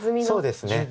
そうですね。